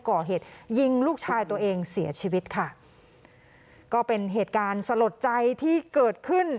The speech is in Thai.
ก่อเหตุยิงลูกชายตัวเองเสียชีวิตค่ะก็เป็นเหตุการณ์สลดใจที่เกิดขึ้น